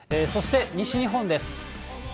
そして西日本です。